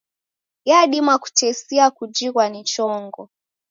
Yadima kutesia kujighwa ni chongo.